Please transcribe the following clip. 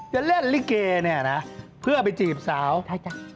จะเล่นลิเกเนี่ยนะเพื่อไปจีบสาวใช่จ้ะ